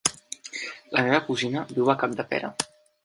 La meva cosina viu a Capdepera.